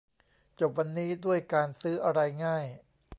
จบวันนี้ด้วยการซื้ออะไรง่าย